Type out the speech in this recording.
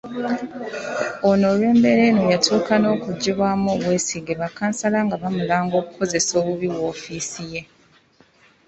Ono olw’embeera eno yatuuka n’okuggyibwamu obwesige bakkansala nga bamulanga okukozesa obubi woofiisi ye.